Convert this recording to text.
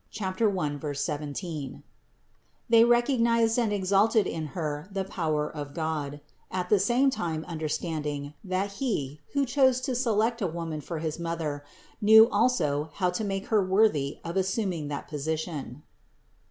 1, 17), they recognized and exalted in Her the power of God, at the same time understanding, that He, who chose to select a woman for his Mother, knew also how to make her worthy of assuming that position.